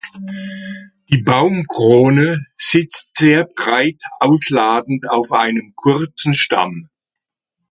Die Baumkrone sitzt sehr breit ausladend auf einem kurzen Stamm.